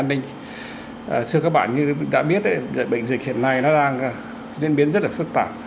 nên biến rất là phức tạp